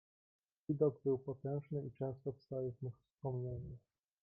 "Widok był potężny i często wstaje w mych wspomnieniach."